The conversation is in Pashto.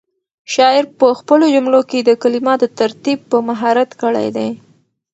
شاعر په خپلو جملو کې د کلماتو ترتیب په مهارت کړی دی.